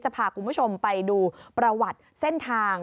พาคุณผู้ชมไปดูประวัติเส้นทาง